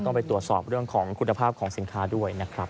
ไปตรวจสอบเรื่องของคุณภาพของสินค้าด้วยนะครับ